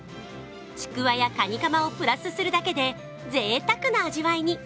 ちくわやカニカマをプラスするだけでぜいたくな味わいに。